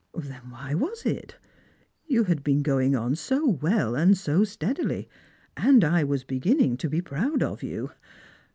"Then why was it? You had been going on so well and so steadily, and I was beginning to be proud of you.